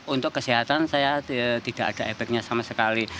untuk kesehatan saya tidak ada epeknya sama sekali